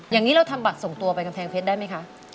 อย่างนี้เราทำบัตรส่งตัวไปกำแพงเพชรได้ไหมคะ